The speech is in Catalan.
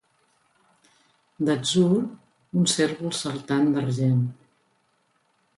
D'atzur, un cérvol saltant d'argent.